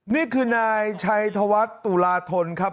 นี่คือนายชัยธวัฒน์ตุลาธนครับ